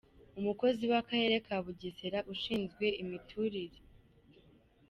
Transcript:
Umukozi w’akarere ka Bugesera ushinzwe imiturire, Ir.